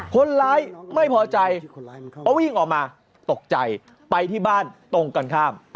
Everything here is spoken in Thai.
คนร้ายไม่พอใจเพราะวิ่งออกมาตกใจไปที่บ้านตรงกันข้าม